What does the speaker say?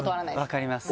分かります。